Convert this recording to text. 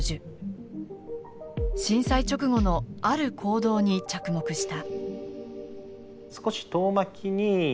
震災直後のある行動に着目した。